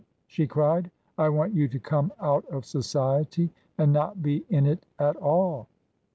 she cried. "I want you to come out of Society and not be in it at all.